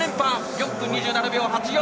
４分２７秒８４。